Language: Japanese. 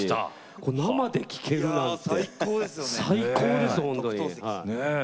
生で聴けるなんて最高です。